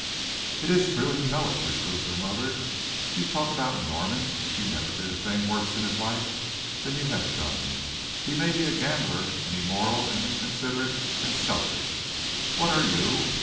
"It is true and you know it," reproved her mother. "You talk about Norman. He never did a thing worse in his life than you have done. He may be a gambler and immoral and inconsiderate and selfish. What are you?